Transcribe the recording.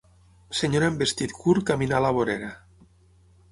Senyora en vestit curt caminar a la vorera